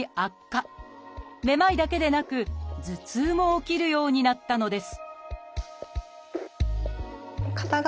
めまいだけでなく頭痛も起きるようになったのです